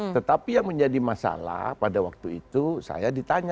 tetapi yang menjadi masalah pada waktu itu saya ditanya